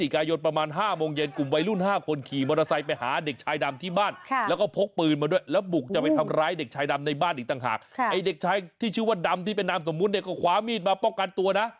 ว่าดำที่เป็นนามสมมุติเด็กกว่าขวามีดมาป้อกกันตัวนะ